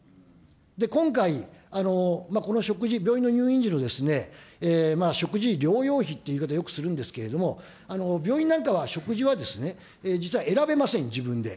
今回この食事、病院の入院時の食事療養費という言い方、よくするんですけれども、病院なんかは食事は実は選べません、自分で。